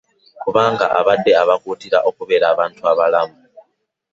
Kubanga abadde abakuutira okubeera abantu balamu